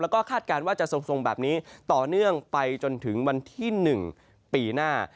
แล้วก็คาดการณ์ว่าจะทรงแบบนี้ต่อเนื่องไปจนถึงวันที่๑ปีหน้า